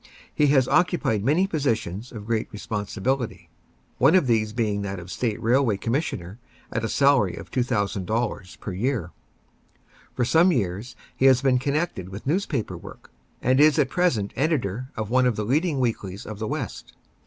He has occupied many positions of great responsibility, one of these being that of State Railroad Commissioner, at a salary of $2,000 per year. For some years he has been connected with newspaper work, and is at present editor of one of the leading weeklies of the West.